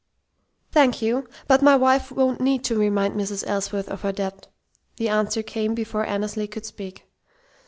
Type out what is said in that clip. "Thank you, but my wife won't need to remind Mrs. Ellsworth of her debt," the answer came before Annesley could speak.